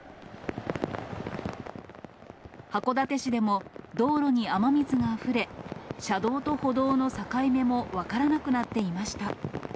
函館市でも道路に雨水があふれ、車道と歩道の境目も分からなくなっていました。